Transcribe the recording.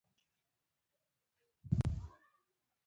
ازادي راډیو د چاپیریال ساتنه په اړه د ځوانانو نظریات وړاندې کړي.